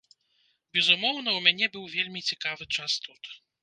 Безумоўна, у мяне быў вельмі цікавы час тут.